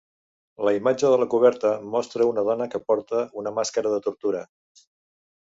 La imatge de la coberta mostra una dona que porta una màscara de tortura.